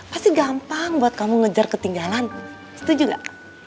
pasti gampang buat kamu ngejar ketinggalan setuju gak